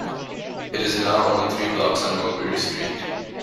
It is now only three blocks on Mulberry Street.